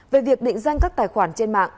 về việc định danh các tài khoản trên mạng